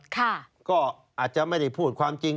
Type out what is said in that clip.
ก็อาจจะไม่ได้พูดความจริง